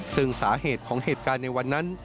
ซึ่งสาเหตุของเหตุการณ์ในวันนั้น